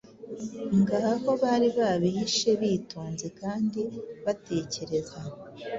Ngaho bari babihishebitonze kandi batekereza